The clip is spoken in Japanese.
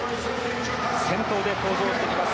先頭で登場してきます